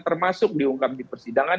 termasuk diungkap di persidangan